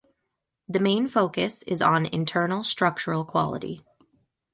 The main focus is on internal structural quality.